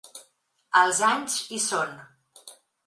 Els anys hi són.